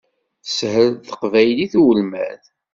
Teshel teqbaylit i ulmad.